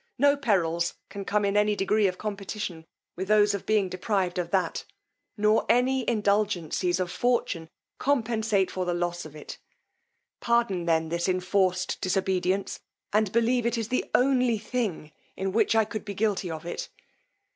No perils can come in any degree of competition with those of being deprived of that, nor any indulgencies of fortune compensate for the loss of it: pardon then this enforced disobedience, and believe it is the only thing in which I could be guilty of it.